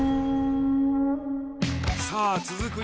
さあ続く